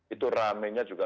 itu rame nya juga